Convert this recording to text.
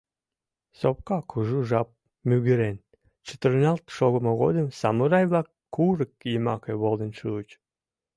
Сопка кужу жап мӱгырен, чытырналт шогымо годым самурай-влак курык йымаке волен шуыч.